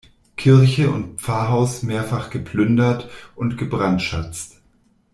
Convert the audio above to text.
Kirche und Pfarrhaus mehrfach geplündert und gebrandschatzt.